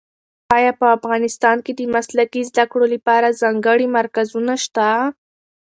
ایا په افغانستان کې د مسلکي زده کړو لپاره ځانګړي مرکزونه شته؟